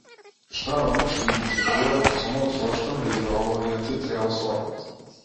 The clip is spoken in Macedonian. Што е она што интригира во сонот, зошто на идеологијата и треба сонот?